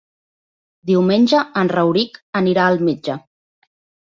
Diumenge en Rauric anirà al metge.